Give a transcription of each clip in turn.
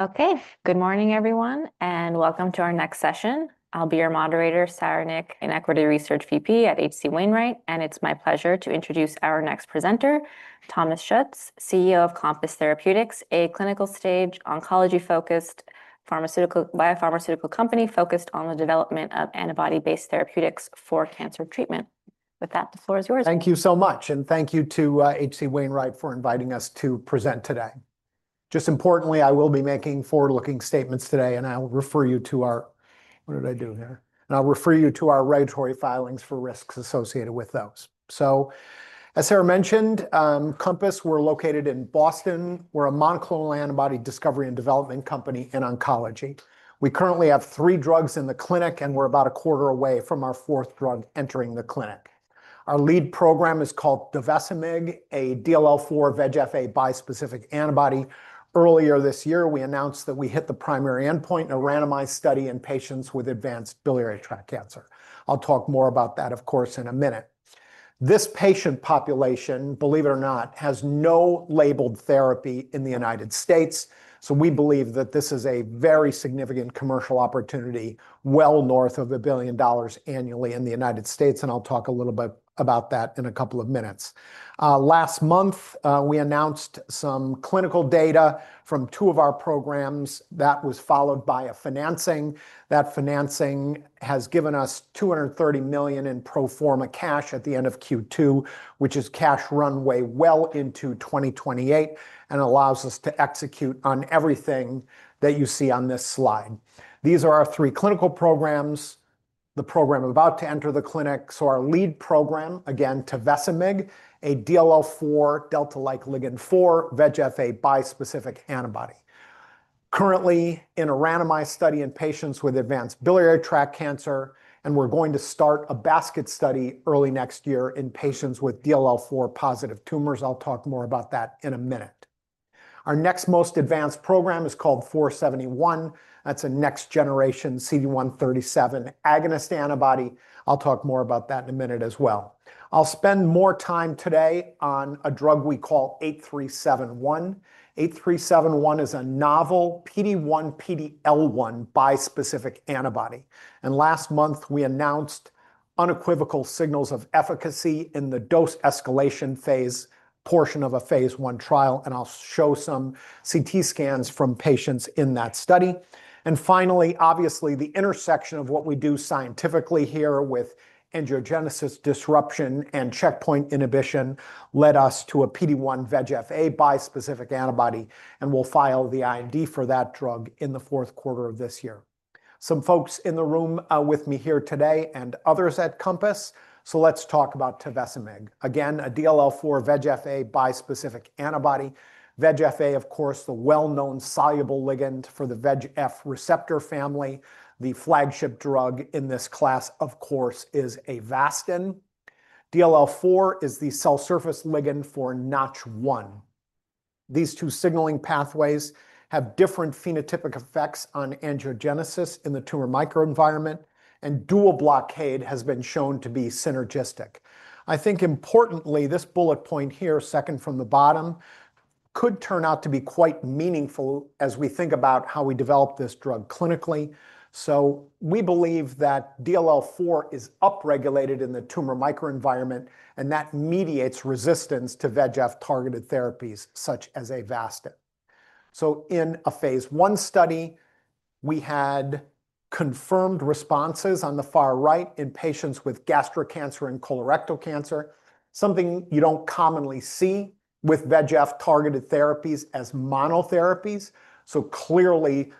Okay, good morning, everyone, and welcome to our next session. I'll be your moderator, Sara Nik, Equity Research VP at H.C. Wainwright, and it's my pleasure to introduce our next presenter, Thomas Schuetz, CEO of Compass Therapeutics, a clinical-stage oncology-focused biopharmaceutical company focused on the development of antibody-based therapeutics for cancer treatment. With that, the floor is yours. Thank you so much, and thank you to H.C. Wainwright for inviting us to present today. Just importantly, I will be making forward-looking statements today, and I'll refer you to our and I'll refer you to our regulatory filings for risks associated with those. So, as Sara mentioned, Compass, we're located in Boston. We're a monoclonal antibody discovery and development company in oncology. We currently have three drugs in the clinic, and we're about a quarter away from our fourth drug entering the clinic. Our lead program is called Tovecimig, a DLL4 VEGF-A bispecific antibody. Earlier this year, we announced that we hit the primary endpoint in a randomized study in patients with advanced biliary tract cancer. I'll talk more about that, of course, in a minute. This patient population, believe it or not, has no labeled therapy in the United States, so we believe that this is a very significant commercial opportunity, well north of $1 billion annually in the United States, and I'll talk a little bit about that in a couple of minutes. Last month, we announced some clinical data from two of our programs that was followed by a financing. That financing has given us $230 million in pro forma cash at the end of Q2, which is cash runway well into 2028 and allows us to execute on everything that you see on this slide. These are our three clinical programs, the program about to enter the clinic, so our lead program, again, Tovecimig, a DLL4 delta-like ligand-4 VEGF-A bispecific antibody. Currently, in a randomized study in patients with advanced biliary tract cancer, and we're going to start a basket study early next year in patients with DLL4-positive tumors. I'll talk more about that in a minute. Our next most advanced program is called 471. That's a next-generation CD137 agonist antibody. I'll talk more about that in a minute as well. I'll spend more time today on a drug we call 8371. 8371 is a novel PD-1/PD-L1 bispecific antibody, and last month, we announced unequivocal signals of efficacy in the dose escalation phase portion of a phase I trial, and I'll show some CT scans from patients in that study. And finally, obviously, the intersection of what we do scientifically here with angiogenesis disruption and checkpoint inhibition led us to a PD-1 VEGF-A bispecific antibody, and we'll file the IND for that drug in the fourth quarter of this year. Some folks in the room with me here today and others at Compass, so let's talk about Tovecimig. Again, a DLL4 VEGFA bispecific antibody. VEGF-A, of course, the well-known soluble ligand for the VEGF receptor family. The flagship drug in this class, of course, is Avastin. DLL4 is the cell surface ligand for NOTCH1. These two signaling pathways have different phenotypic effects on angiogenesis in the tumor microenvironment, and dual blockade has been shown to be synergistic. I think, importantly, this bullet point here, second from the bottom, could turn out to be quite meaningful as we think about how we develop this drug clinically. So we believe that DLL4 is upregulated in the tumor microenvironment, and that mediates resistance to VEGF-targeted therapies such as Avastin. In a phase I study, we had confirmed responses on the far right in patients with gastric cancer and colorectal cancer, something you don't commonly see with VEGF-targeted therapies as monotherapies, so clearly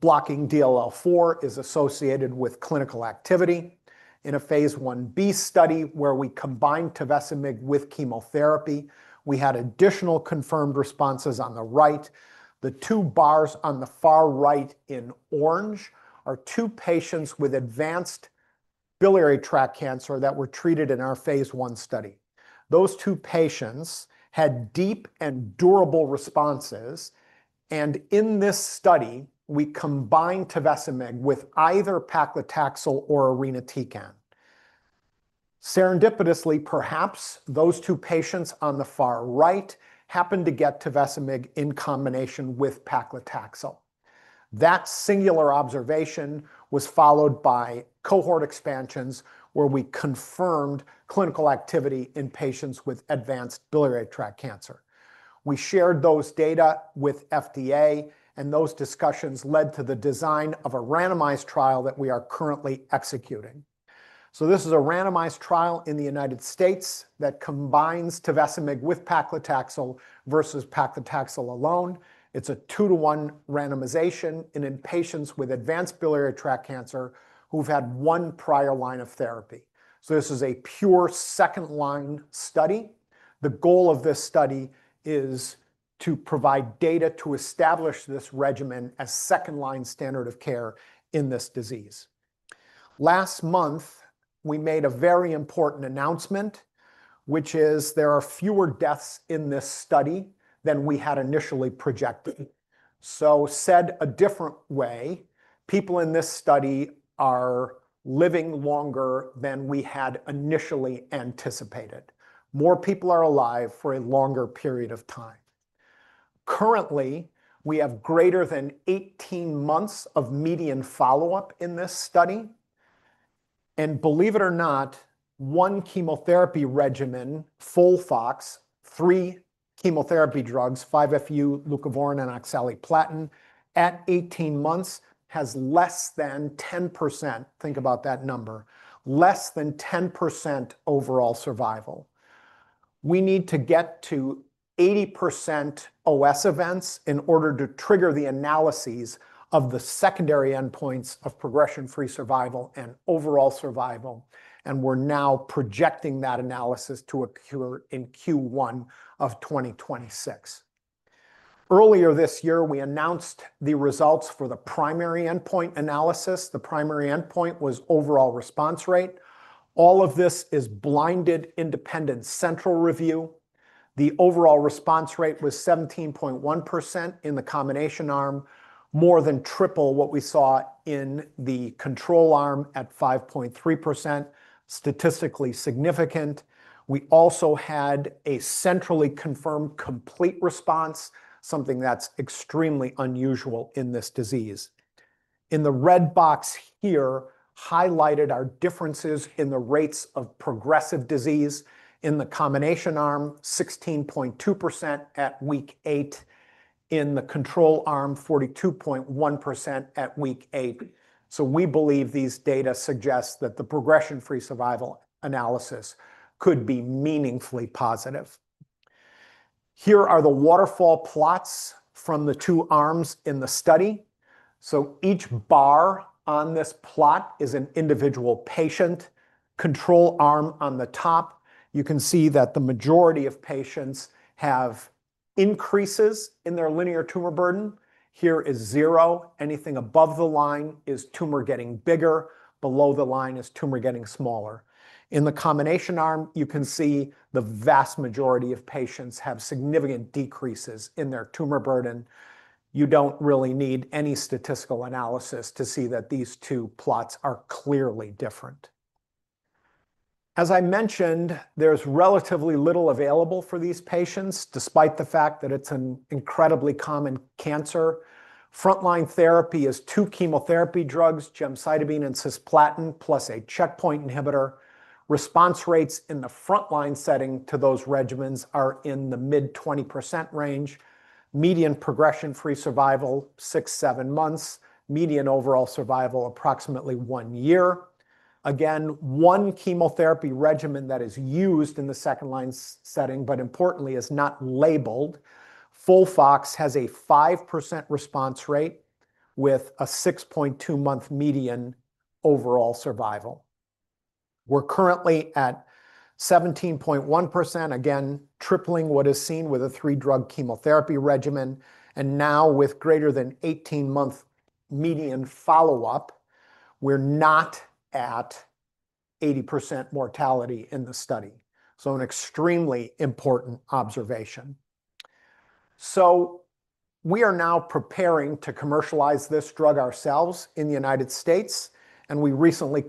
blocking DLL4 is associated with clinical activity. In a phase IB study where we combined Tovecimig with chemotherapy, we had additional confirmed responses on the right. The two bars on the far right in orange are two patients with advanced biliary tract cancer that were treated in our phase I study. Those two patients had deep and durable responses, and in this study, we combined Tovecimig with either paclitaxel or irinotecan. Serendipitously, perhaps, those two patients on the far right happened to get Tovecimig in combination with paclitaxel. That singular observation was followed by cohort expansions where we confirmed clinical activity in patients with advanced biliary tract cancer. We shared those data with FDA, and those discussions led to the design of a randomized trial that we are currently executing. So this is a randomized trial in the United States that combines CTX-009 with paclitaxel versus paclitaxel alone. It's a two-to-one randomization in patients with advanced biliary tract cancer who've had one prior line of therapy. So this is a pure second-line study. The goal of this study is to provide data to establish this regimen as second-line standard of care in this disease. Last month, we made a very important announcement, which is there are fewer deaths in this study than we had initially projected. So, said a different way, people in this study are living longer than we had initially anticipated. More people are alive for a longer period of time. Currently, we have greater than 18 months of median follow-up in this study, and believe it or not, one chemotherapy regimen, FOLFOX, three chemotherapy drugs, 5-FU, leucovorin, and oxaliplatin, at 18 months has less than 10%, think about that number, less than 10% overall survival. We need to get to 80% OS events in order to trigger the analyses of the secondary endpoints of progression-free survival and overall survival, and we're now projecting that analysis to occur in Q1 of 2026. Earlier this year, we announced the results for the primary endpoint analysis. The primary endpoint was overall response rate. All of this is blinded independent central review. The overall response rate was 17.1% in the combination arm, more than triple what we saw in the control arm at 5.3%, statistically significant. We also had a centrally confirmed complete response, something that's extremely unusual in this disease. In the red box here, highlighted are differences in the rates of progressive disease in the combination arm, 16.2% at week eight, in the control arm, 42.1% at week eight. So we believe these data suggest that the progression-free survival analysis could be meaningfully positive. Here are the waterfall plots from the two arms in the study. So each bar on this plot is an individual patient. Control arm on the top, you can see that the majority of patients have increases in their linear tumor burden. Here is zero. Anything above the line is tumor getting bigger. Below the line is tumor getting smaller. In the combination arm, you can see the vast majority of patients have significant decreases in their tumor burden. You don't really need any statistical analysis to see that these two plots are clearly different. As I mentioned, there's relatively little available for these patients, despite the fact that it's an incredibly common cancer. Frontline therapy is two chemotherapy drugs, gemcitabine and cisplatin, plus a checkpoint inhibitor. Response rates in the frontline setting to those regimens are in the mid-20% range. Median progression-free survival, six, seven months. Median overall survival, approximately one year. Again, one chemotherapy regimen that is used in the second-line setting, but importantly, is not labeled, FOLFOX has a 5% response rate with a 6.2-month median overall survival. We're currently at 17.1%, again, tripling what is seen with a three-drug chemotherapy regimen, and now with greater than 18-month median follow-up, we're not at 80% mortality in the study. So an extremely important observation. We are now preparing to commercialize this drug ourselves in the United States, and we recently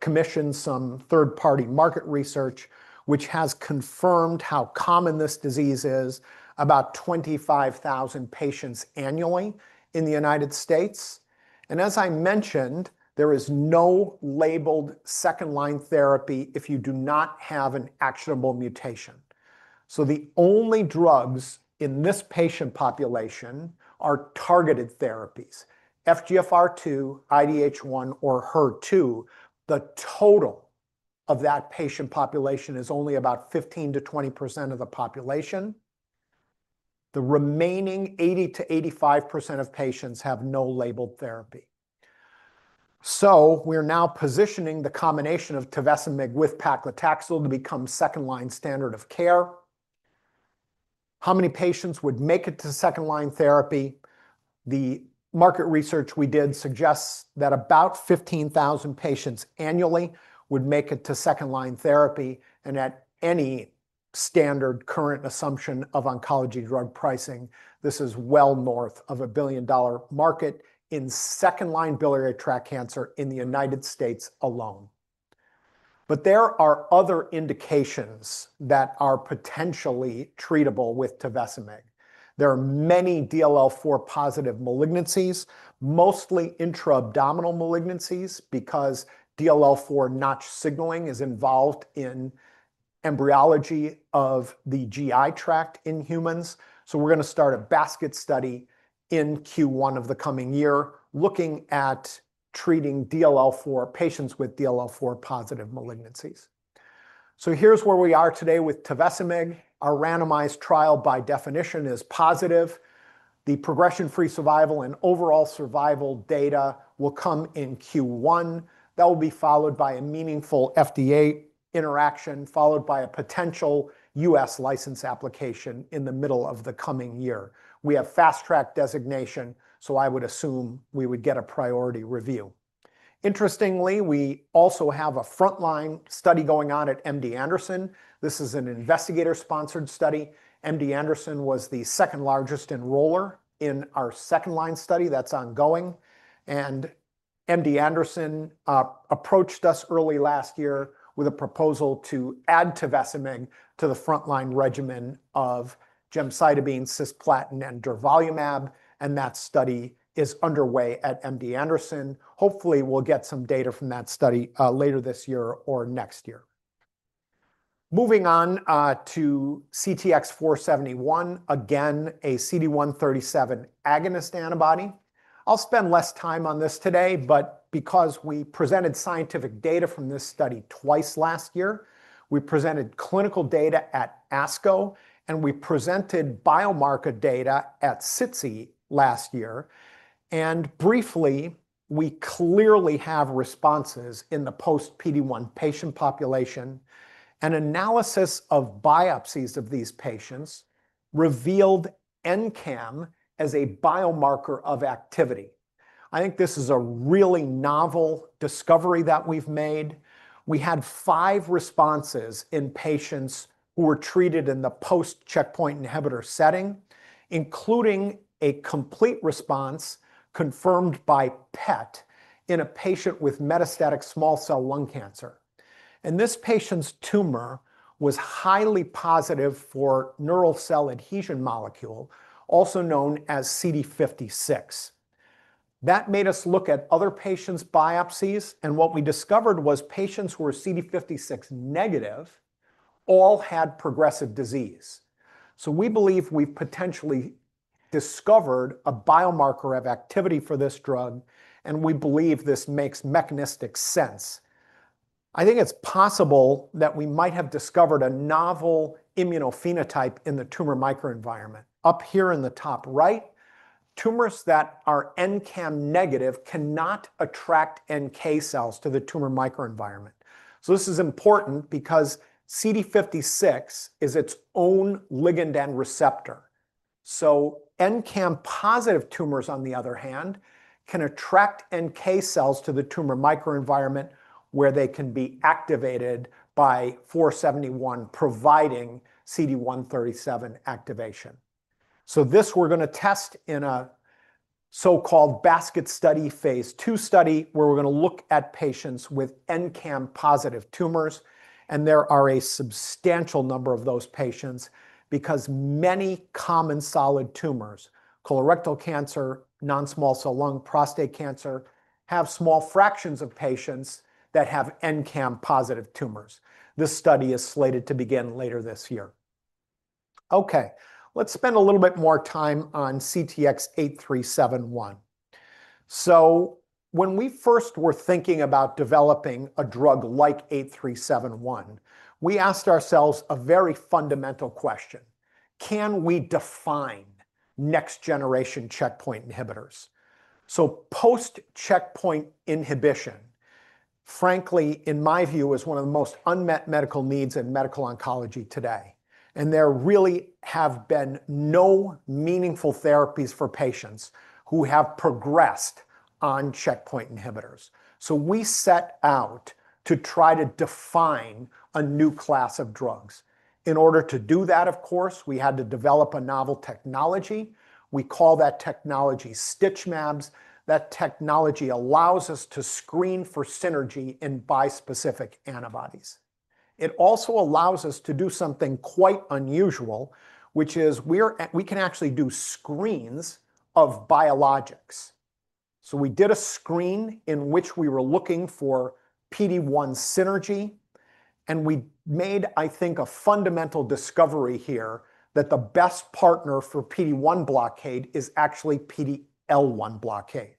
commissioned some third-party market research, which has confirmed how common this disease is, about 25,000 patients annually in the United States. As I mentioned, there is no labeled second-line therapy if you do not have an actionable mutation. The only drugs in this patient population are targeted therapies: FGFR2, IDH1, or HER2. The total of that patient population is only about 15%-20% of the population. The remaining 80%-85% of patients have no labeled therapy. We're now positioning the combination of Tovecimig with paclitaxel to become second-line standard of care. How many patients would make it to second-line therapy? The market research we did suggests that about 15,000 patients annually would make it to second-line therapy, and at any standard current assumption of oncology drug pricing, this is well north of a $1 billion market in second-line biliary tract cancer in the United States alone, but there are other indications that are potentially treatable with Tovecimig. There are many DLL4 positive malignancies, mostly intra-abdominal malignancies, because DLL4 notch signaling is involved in embryology of the GI tract in humans, so we're going to start a basket study in Q1 of the coming year looking at treating DLL4 patients with DLL4 positive malignancies, so here's where we are today with Tovecimig. Our randomized trial, by definition, is positive. The progression-free survival and overall survival data will come in Q1. That will be followed by a meaningful FDA interaction, followed by a potential U.S. License application in the middle of the coming year. We have fast-track designation, so I would assume we would get a priority review. Interestingly, we also have a frontline study going on at MD Anderson. This is an investigator-sponsored study. MD Anderson was the second largest enroller in our second-line study that's ongoing, and MD Anderson approached us early last year with a proposal to add Tovecimig to the frontline regimen of gemcitabine, cisplatin, and durvalumab, and that study is underway at MD Anderson. Hopefully, we'll get some data from that study later this year or next year. Moving on to CTX-471, again, a CD137 agonist antibody. I'll spend less time on this today, but because we presented scientific data from this study twice last year, we presented clinical data at ASCO, and we presented biomarker data at SITC last year. And briefly, we clearly have responses in the post-PD-1 patient population. An analysis of biopsies of these patients revealed NCAM as a biomarker of activity. I think this is a really novel discovery that we've made. We had five responses in patients who were treated in the post-checkpoint inhibitor setting, including a complete response confirmed by PET in a patient with metastatic small cell lung cancer. And this patient's tumor was highly positive for neural cell adhesion molecule, also known as CD56. That made us look at other patients' biopsies, and what we discovered was patients who were CD56 negative all had progressive disease. So we believe we've potentially discovered a biomarker of activity for this drug, and we believe this makes mechanistic sense. I think it's possible that we might have discovered a novel immunophenotype in the tumor microenvironment. Up here in the top right, tumors that are NCAM negative cannot attract NK cells to the tumor microenvironment. So this is important because CD56 is its own ligand and receptor. So NCAM positive tumors, on the other hand, can attract NK cells to the tumor microenvironment where they can be activated by 471 providing CD137 activation. So this we're going to test in a so-called basket study phase two study where we're going to look at patients with NCAM positive tumors, and there are a substantial number of those patients because many common solid tumors, colorectal cancer, non-small cell lung, prostate cancer, have small fractions of patients that have NCAM positive tumors. This study is slated to begin later this year. Okay, let's spend a little bit more time on CTX-8371. When we first were thinking about developing a drug like 8371, we asked ourselves a very fundamental question: Can we define next-generation checkpoint inhibitors? Post-checkpoint inhibition, frankly, in my view, is one of the most unmet medical needs in medical oncology today, and there really have been no meaningful therapies for patients who have progressed on checkpoint inhibitors. We set out to try to define a new class of drugs. In order to do that, of course, we had to develop a novel technology. We call that technology StitchMabs. That technology allows us to screen for synergy in bispecific antibodies. It also allows us to do something quite unusual, which is we can actually do screens of biologics. So we did a screen in which we were looking for PD-1 synergy, and we made, I think, a fundamental discovery here that the best partner for PD-1 blockade is actually PD-L1 blockade.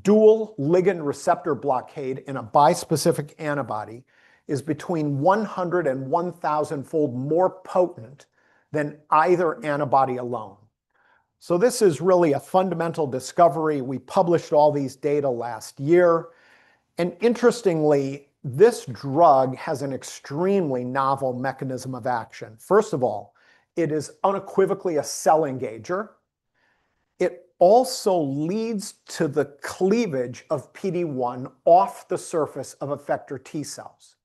Dual ligand receptor blockade in a bispecific antibody is between 100 and 1,000-fold more potent than either antibody alone. So this is really a fundamental discovery. We published all these data last year. And interestingly, this drug has an extremely novel mechanism of action. First of all, it is unequivocally a cell engager. It also leads to the cleavage of PD-1 off the surface of effector T cells.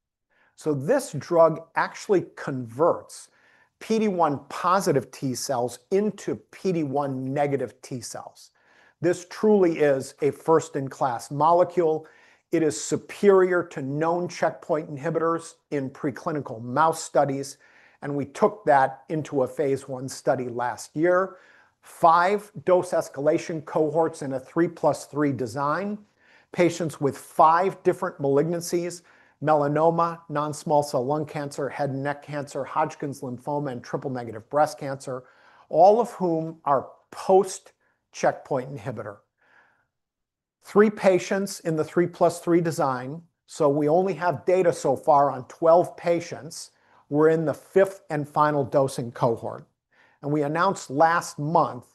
So this drug actually converts PD-1 positive T cells into PD-1 negative T cells. This truly is a first-in-class molecule. It is superior to known checkpoint inhibitors in preclinical mouse studies, and we took that into a phase 1 study last year, five dose escalation cohorts in a 3 plus 3 design, patients with five different malignancies: melanoma, non-small cell lung cancer, head and neck cancer, Hodgkin's lymphoma, and triple-negative breast cancer, all of whom are post-checkpoint inhibitor. Three patients in the 3 plus 3 design, so we only have data so far on 12 patients. We're in the fifth and final dosing cohort, and we announced last month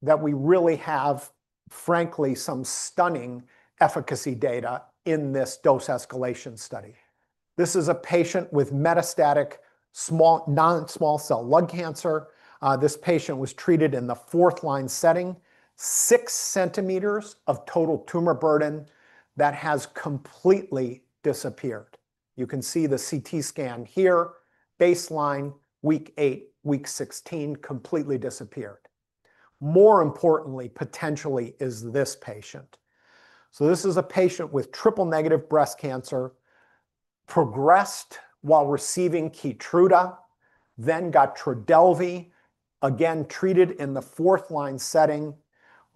that we really have, frankly, some stunning efficacy data in this dose escalation study. This is a patient with metastatic non-small cell lung cancer. This patient was treated in the fourth-line setting. Six cm of total tumor burden that has completely disappeared. You can see the CT scan here, baseline, week eight, week 16, completely disappeared. More importantly, potentially, is this patient. So this is a patient with triple-negative breast cancer, progressed while receiving KEYTRUDA, then got TRODELVY, again treated in the fourth-line setting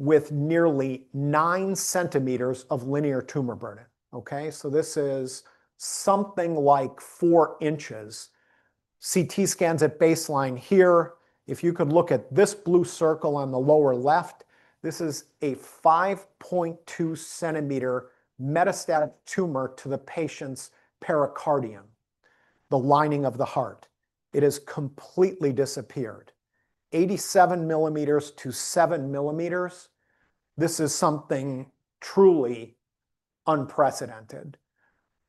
with nearly nine cm of linear tumor burden. Okay, so this is something like 4 in. CT scans at baseline here. If you could look at this blue circle on the lower left, this is a 5.2 cm metastatic tumor to the patient's pericardium, the lining of the heart. It has completely disappeared, 87 mm to 7 mm. This is something truly unprecedented.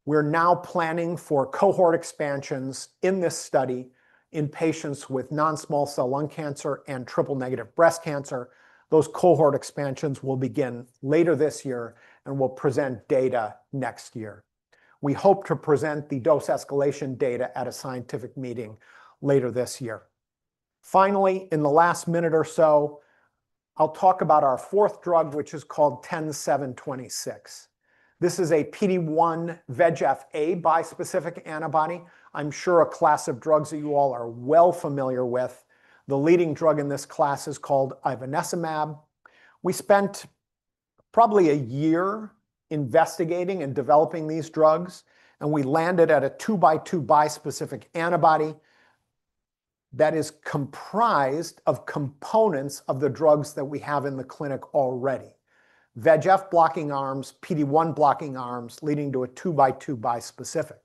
We're now planning for cohort expansions in this study in patients with non-small cell lung cancer and triple-negative breast cancer. Those cohort expansions will begin later this year and will present data next year. We hope to present the dose escalation data at a scientific meeting later this year. Finally, in the last minute or so, I'll talk about our fourth drug, which is called 10726. This is a PD-1 VEGF-A bispecific antibody. I'm sure it's a class of drugs that you all are well familiar with. The leading drug in this class is called Ivonescimab. We spent probably a year investigating and developing these drugs, and we landed at a 2 by 2 bispecific antibody that is comprised of components of the drugs that we have in the clinic already: VEGF blocking arms, PD-1 blocking arms, leading to a 2 by 2 bispecific.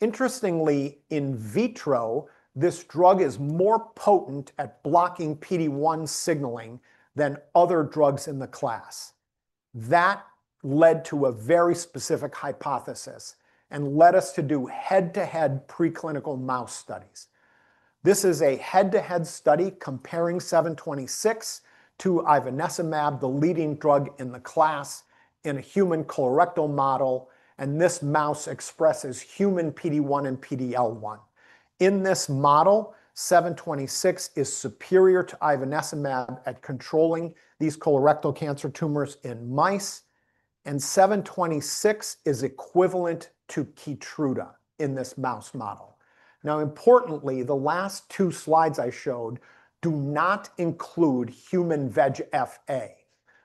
Interestingly, in vitro, this drug is more potent at blocking PD-1 signaling than other drugs in the class. That led to a very specific hypothesis and led us to do head-to-head preclinical mouse studies. This is a head-to-head study comparing 726 to Ivonescimab, the leading drug in the class, in a human colorectal model, and this mouse expresses human PD-1 and PD-L1. In this model, 726 is superior to Ivonescimab at controlling these colorectal cancer tumors in mice, and 726 is equivalent to KEYTRUDA in this mouse model. Now, importantly, the last two slides I showed do not include human VEGF-A.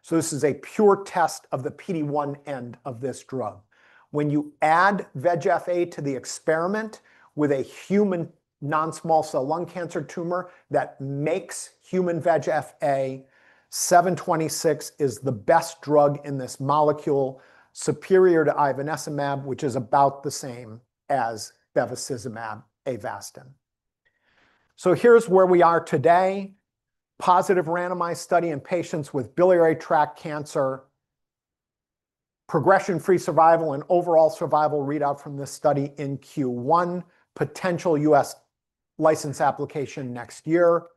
So this is a pure test of the PD-1 end of this drug. When you add VEGF-A to the experiment with a human non-small cell lung cancer tumor that makes human VEGF-A, 726 is the best drug in this molecule, superior to Ivonescimab, which is about the same as bevacizumab, Avastin. So here's where we are today: positive randomized study in patients with biliary tract cancer, progression-free survival and overall survival readout from this study in Q1, potential U.S. license application next year,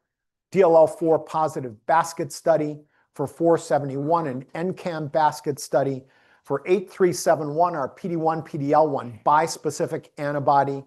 DLL4 positive basket study for 471, an NCAM basket study for 8371, our PD-1, PD-L1 bispecific antibody.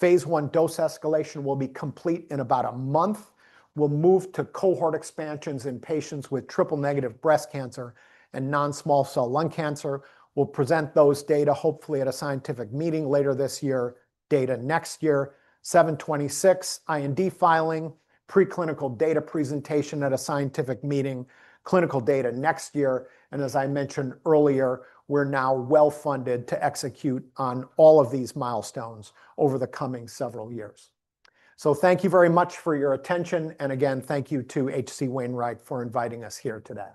Phase I dose escalation will be complete in about a month. We'll move to cohort expansions in patients with triple-negative breast cancer and non-small cell lung cancer. We'll present those data, hopefully, at a scientific meeting later this year, data next year, 726 IND filing, preclinical data presentation at a scientific meeting, clinical data next year. And as I mentioned earlier, we're now well funded to execute on all of these milestones over the coming several years. So thank you very much for your attention, and again, thank you to H.C. Wainwright for inviting us here today.